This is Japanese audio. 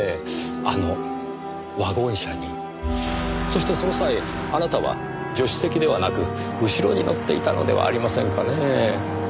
そしてその際あなたは助手席ではなく後ろに乗っていたのではありませんかねぇ。